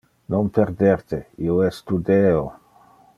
Non perder te, io es tu Deo.